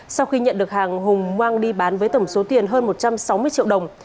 sau khi nhận được hàng hùng mang đi bán với tổng số tiền hơn một trăm sáu mươi triệu đồng